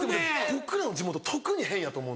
僕らの地元特に変やと思う。